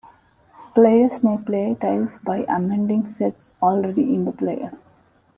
Players may play tiles by amending sets already in play.